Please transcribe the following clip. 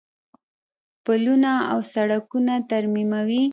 پلونه او سړکونه ترمیموي.